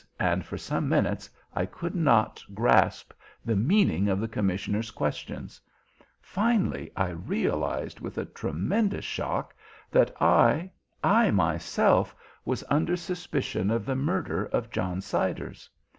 and for some minutes I could not grasp the meaning of the commissioner's questions. Finally I realised with a tremendous shock that I I myself was under suspicion of the murder of John Siders.